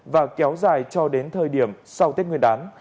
và kéo dài cho đến thời điểm sau tết nguyên đán